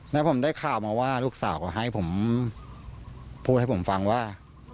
แล้วผมได้ข่าวมาว่าลูกสาวก็ให้ผมพูดให้ผมฟังว่า